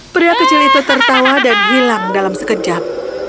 pria kecil itu tertawa dan hilang dalam sekejap